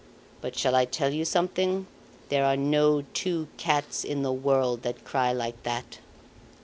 "But shall I tell you something? There are no two cats in the world that cry like that.